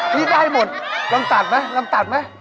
นี่ได้หมดลำตัดไหม